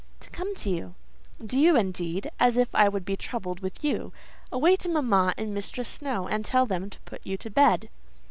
"To come to you." "Do you indeed? As if I would be troubled with you! Away to mamma and Mistress Snowe, and tell them to put you to bed."